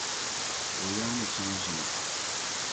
O yaa ni chaŋ zuŋo.